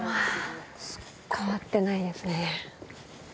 変わってないですね。